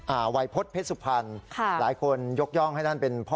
อ่าหวัยพฤตเผ็ดสุพรรณหลายคนหยกย่องให้ท่านเป็นพ่อ